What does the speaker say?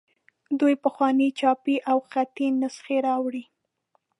دوی پخوانۍ چاپي او خطي نسخې راوړي.